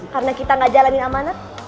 karena kita gak jalanin amanat